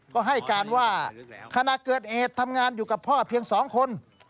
ก็ให้การว่าขณะเกิดเหตุทำงานอยู่กับพ่อเพียง๒คน